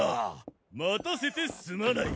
待たせてすまない。